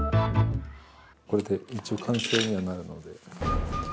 これで一応完成にはなるので。